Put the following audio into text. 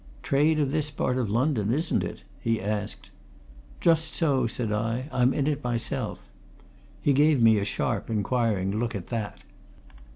"Trade of this part of London, isn't it?" he asked. "Just so," said I. "I'm in it myself." He gave me a sharp inquiring look at that.